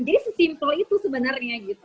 jadi sesimpel itu sebenarnya